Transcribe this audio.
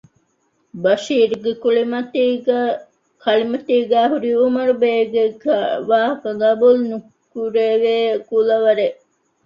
ބަޝީރުގެ ކަޅިމަތީގައި ހުރީ އުމަރުބޭގެ ވާހަކަ ގަބޫލު ނުކުރެވޭ ކުލަވަރެއް